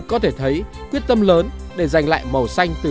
có thể thấy quyết tâm lớn để giành lại màu xanh từ ô nhiễm trắng